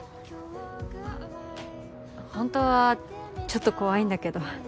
本当はちょっと怖いんだけど。